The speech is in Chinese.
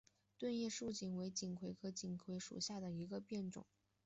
钝叶树棉为锦葵科棉属下的一个变种。